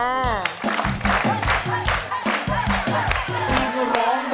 ขอบคุณครับ